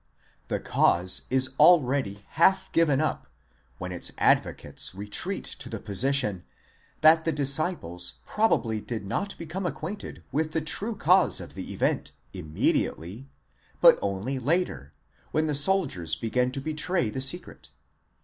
The cause is already half given up when its advocates retreat to the position, that the disciples pro bably did not become acquainted with the true cause of the event imme diately, but only later, when the soldiers began to betray the secret.